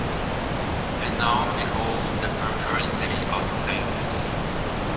And now behold the perversity of things.